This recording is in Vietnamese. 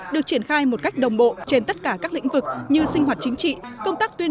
được triển khai một cách đồng bộ trên tất cả các lĩnh vực như sinh hoạt chính trị công tác tuyên